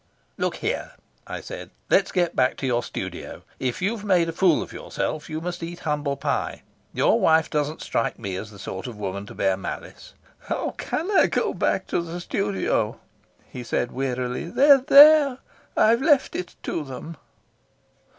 "Look here," I said, "let's go back to your studio. If you've made a fool of yourself you must eat humble pie. Your wife doesn't strike me as the sort of woman to bear malice." "How can I go back to the studio?" he said wearily. "They're there. I've left it to them."